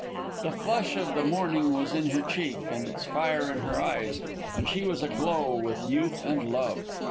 The flush of the morning was in her cheek, and its fire in her eyes, and she was aglow with youth and love.